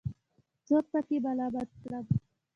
څوک پکې ملامت کړم.